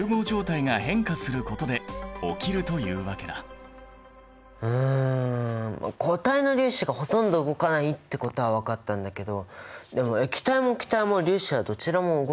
このようにうん固体の粒子がほとんど動かないってことは分かったんだけどでも液体も気体も粒子はどちらも動き回るんだよね？